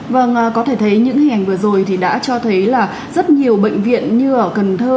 vâng có thể thấy những hình ảnh vừa rồi thì đã cho thấy là rất nhiều bệnh viện như ở cần thơ